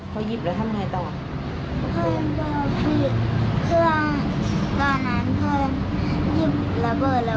พอหยิบแล้วทำยังไงต่อ